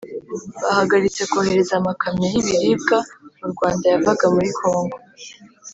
bahagaritse kohereza amakamyo y’ibiribwa mu Rwanda yavaga muri Kongo.